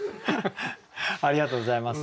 ありがとうございます。